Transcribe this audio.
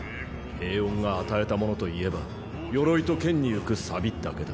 平穏が与えたものといえば鎧と剣に浮くだけだ。